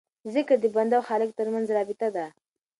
ذکر د بنده او خالق ترمنځ رابطه ده.